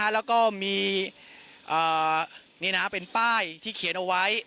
แล้วก็มีเป็นป้ายที่เขียนเอาไว้